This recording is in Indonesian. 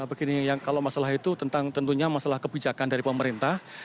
begini yang kalau masalah itu tentang tentunya masalah kebijakan dari pemerintah